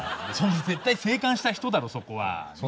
絶対生還した人だろそこは。ねえ？